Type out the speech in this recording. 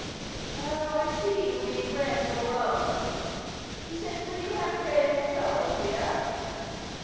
... Oh, I see, you mean bread or roll? She says will you have bread or roll, dear?